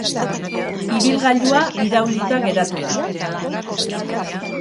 Ibilgailua iraulita geratu da.